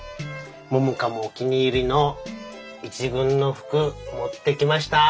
桃香もお気に入りの一軍の服持ってきました！